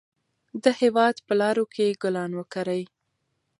د هېواد په لارو کې ګلان وکرئ.